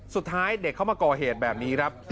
สุดท้ายเด็กเข้ามาก่อเหตุแบบนี้ครับ